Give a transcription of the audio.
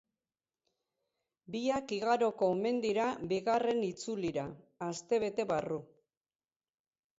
Biak igaroko omen dira bigarren itzulira, astebete barru.